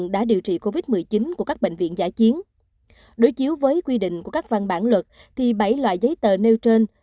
đối chiếu với quy định của các văn bản luật thì bảy loại giấy tờ nêu trên